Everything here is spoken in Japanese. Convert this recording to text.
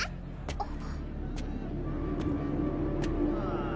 あっ！